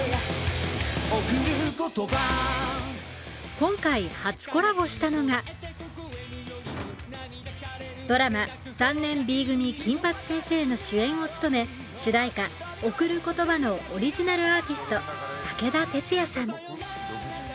今回、初コラボしたのがドラマ「３年Ｂ組金八先生」の主演を務め、主題歌「贈る言葉」のオリジナルアーティスト・武田鉄矢さん。